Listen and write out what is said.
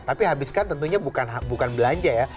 tapi habiskan tentunya bukan belanja ya